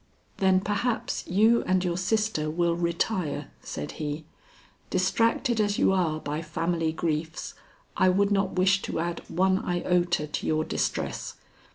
"Then perhaps you and your sister will retire," said he. "Distracted as you are by family griefs, I would not wish to add one iota to your distress.